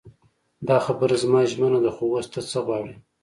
دا خبره زما ژمنه ده خو اوس ته څه غواړې.